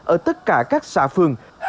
ở tất cả các khu vực